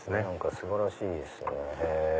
素晴らしいですね。